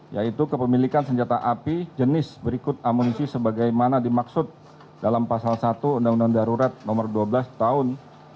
yaitu kepemilikan senjata api jenis berikut amunisi sebagaimana dimaksud dalam pasal satu undang undang darurat nomor dua belas tahun seribu sembilan ratus lima puluh satu